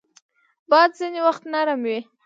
باد ځینې وخت نرم وي